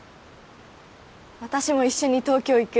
私も一緒に東京行く！